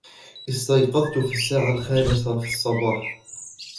استيقظت في الساعة الخامسة في الصباح